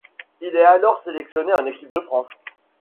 Il est alors sélectionné en équipe de France.